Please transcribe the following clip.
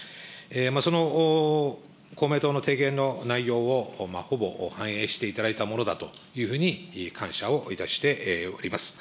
その公明党の提言の内容をほぼ反映していただいたものだというふうに感謝をいたしております。